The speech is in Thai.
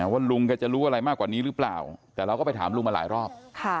ว่าลุงแกจะรู้อะไรมากกว่านี้หรือเปล่าแต่เราก็ไปถามลุงมาหลายรอบ